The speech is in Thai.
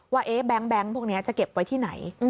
แบงค์พวกนี้จะเก็บไว้ที่ไหน